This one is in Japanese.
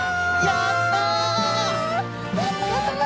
やった！